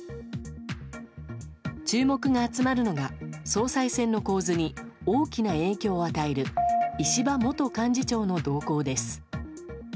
注目が集まるのが総裁選の構図に大きな影響を与える石破元幹事長の動向です。